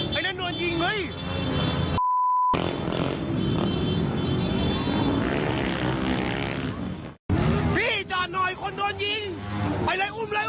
พี่จ่อนหน่อยคนโดนยิงไปเลยอุ้มลงเลย